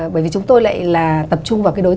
bởi vì chúng tôi lại là tập trung vào cái đầu tiên